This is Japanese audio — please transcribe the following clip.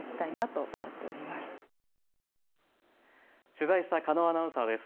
取材した狩野アナウンサーです。